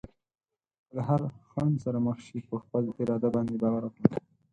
که له هر خنډ سره مخ شې، په خپل اراده باندې باور وکړه.